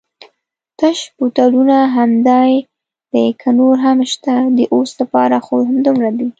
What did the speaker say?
تش بوتلونه همدای دي که نور هم شته؟ د اوس لپاره خو همدومره دي.